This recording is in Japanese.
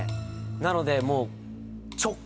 なのでもう。